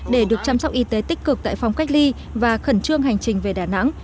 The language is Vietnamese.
để được chăm sóc y tế tích cực tại phòng cách ly và khẩn trương hành trình về đà nẵng